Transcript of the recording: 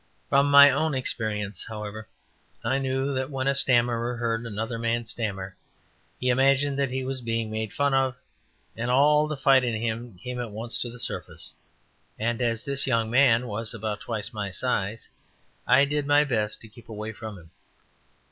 From my own experience, however, I knew that when a stammerer heard another man stammer, he imagined that he was being made fun of, and all the fight in him came at once to the surface; and as this young man was about twice my size, I did my best to keep away from him.